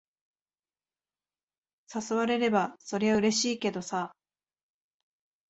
誘われれば、そりゃうれしいけどさ。